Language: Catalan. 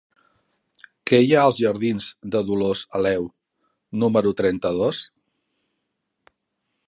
Què hi ha als jardins de Dolors Aleu número trenta-dos?